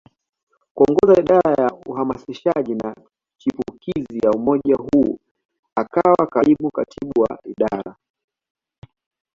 kuongoza Idara ya Uhamasishaji na Chipukizi ya umoja huu akiwa kaimu katibu wa idara